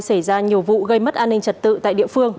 xảy ra nhiều vụ gây mất an ninh trật tự tại địa phương